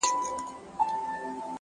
خپلي خبري خو نو نه پرې کوی،